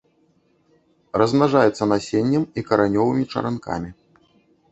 Размнажаецца насеннем і каранёвымі чаранкамі.